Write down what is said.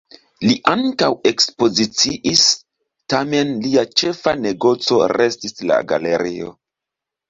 Li ankaŭ ekspoziciis, tamen lia ĉefa negoco restis la galerio.